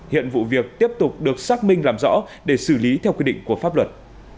hiện vụ việc tiếp tục được xác minh làm rõ để xử lý theo quy định của pháp luật